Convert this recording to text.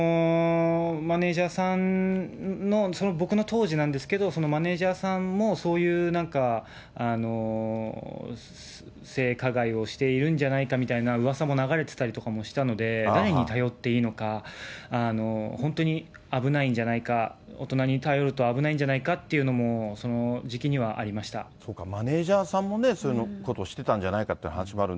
マネージャーさんの、僕の当時なんですけど、そのマネージャーさんも、そういうなんか、性加害をしているんじゃないかみたいなうわさも流れてたりとかもしてたので、誰に頼っていいのか、本当に危ないんじゃないか、大人に頼ると危ないんじゃないかといそうか、マネージャーさんもね、そういうことをしてたんじゃないかという話もある。